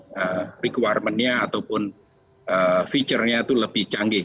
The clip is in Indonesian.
jadi requirementnya ataupun feature nya itu lebih canggih